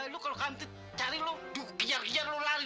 lu kalau cantik cari lu dikejar kejar lu lari